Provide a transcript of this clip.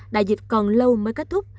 đại dịch còn lâu mới kết thúc